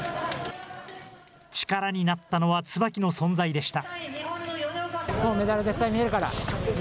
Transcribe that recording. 力になったのは椿の存在でした。